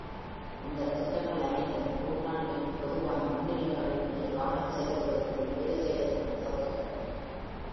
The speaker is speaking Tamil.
இந்த திட்டங்கள் அனைத்தும் கூட்டாண்மைக்கு பொதுவான முன்னுரிமைகள் மீது கவனம் செலுத்துவதற்கும் வேலை செய்வதற்கும் உதவுகின்றன.